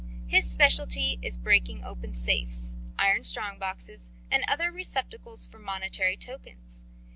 His specialty is breaking open safes, iron strong boxes, and other receptacles for monetary tokens.